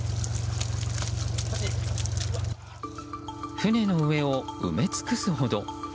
船の上を埋め尽くすほど。